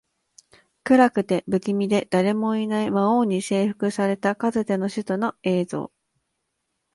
暗くて、不気味で、誰もいない魔王に征服されたかつての首都の映像